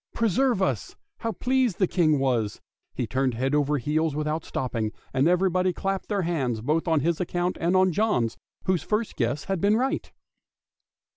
Preserve us! how pleased the old King was, he turned head over heels without stopping, and everybody clapped their hands both on his account and on John's, whose first guess had been right.